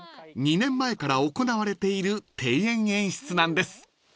［２年前から行われている庭園演出なんです］